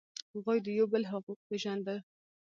هغوی د یو بل حقوق پیژندل.